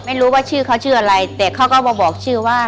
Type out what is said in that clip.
ไม่รู้ว่าชื่อเขาชื่ออะไรแต่เขาก็มาบอกชื่อว่า